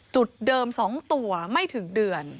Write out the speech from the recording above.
จุดเดิม๒ตัวไม่ถึงเดือน